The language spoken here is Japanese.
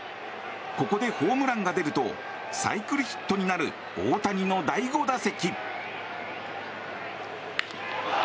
ここでホームランが出るとサイクルヒットになる大谷の第５打席。